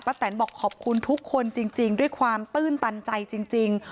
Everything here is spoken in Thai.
แตนบอกขอบคุณทุกคนจริงด้วยความตื้นตันใจจริง